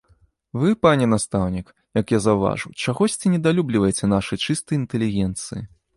Вы, пане настаўнік, як я заўважыў, чагосьці недалюбліваеце нашай чыстай інтэлігенцыі.